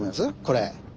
これ。